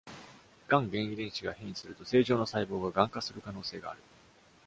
がん原遺伝子が変異すると、正常な細胞ががん化する可能性がある。